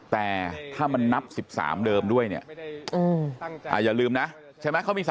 แต่ถ้ามันนับ๑๓เดิมด้วยเนี่ยอย่าลืมนะใช่ไหม